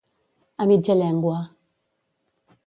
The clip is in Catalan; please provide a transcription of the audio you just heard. A mitja llengua.